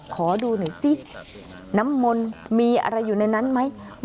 ขอดูหน่อยซิน้ำมนต์มีอะไรอยู่ในนั้นไหม